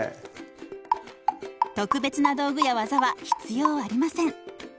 特別な道具や技は必要ありません。